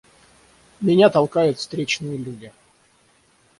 Меня толкают встречные люди.